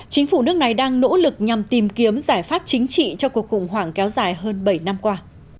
chính phủ nước này đang nỗ lực nhằm tìm kiếm giải pháp chính trị cho cuộc khủng hoảng kéo dài hơn bảy năm qua